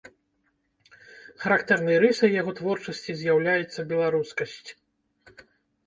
Характэрнай рысай яго творчасці з'яўляецца беларускасць.